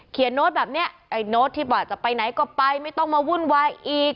โน้ตแบบนี้ไอ้โน้ตที่ว่าจะไปไหนก็ไปไม่ต้องมาวุ่นวายอีก